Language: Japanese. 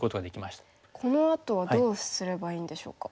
このあとはどうすればいいんでしょうか。